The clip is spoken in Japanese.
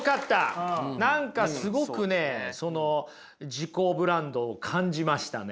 何かすごく自己ブランドを感じましたね。